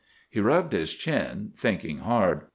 He rubbed his chin, thinking hard.